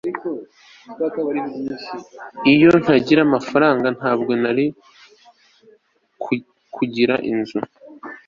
iyo ntagira amafaranga ntabwo nari kugira inzu